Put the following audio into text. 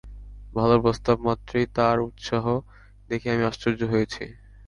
ভালো প্রস্তাবমাত্রেই তাঁর উৎসাহ দেখে আমি আশ্চর্য হয়েছি।